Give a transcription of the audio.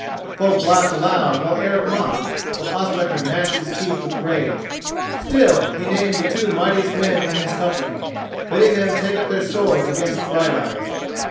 Folk laughed aloud while Eric mocked, but Ospakar gnashed his teeth with rage. Still, he named the two mightiest men in his company, bidding them take up their swords against Brighteyes.